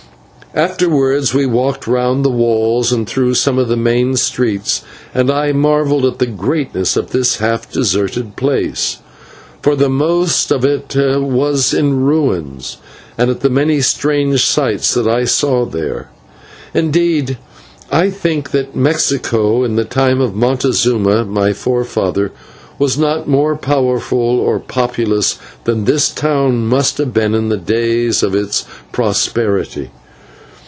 Afterwards we walked round the walls and through some of the main streets, and I marvelled at the greatness of this half deserted place, for the most of it was in ruins, and at the many strange sights that I saw in it. Indeed, I think that Mexico, in the time of Montezuma, my forefather, was not more powerful or populous than this town must have been in the days of its prosperity.